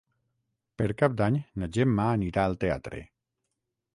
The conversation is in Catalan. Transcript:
Per Cap d'Any na Gemma anirà al teatre.